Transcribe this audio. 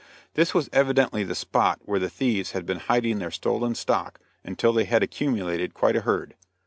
This was evidently the spot where the thieves had been hiding their stolen stock until they had accumulated quite a herd.